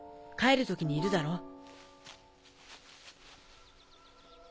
帰る時にいるだろ。